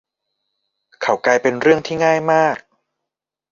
เขากลายเป็นเรื่องที่ง่ายมาก